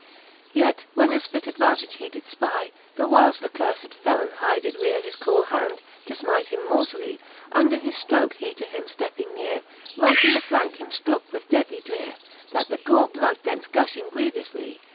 Yet when as fit advantage he did fpy, The whiles the curfed felon high did reare His cruell hand, to fmite him mortally, Under his ftroke he to him fi:epping neare, Right in the flanke him ftrooke with deadly dreare, That the gore bloud thence guihing grievoufly.